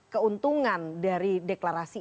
keuntungan dari deklarasi